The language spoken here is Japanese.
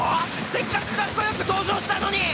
せっかくかっこよく登場したのに！